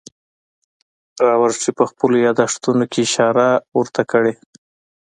راورټي په خپلو یادښتونو کې اشاره ورته کړې.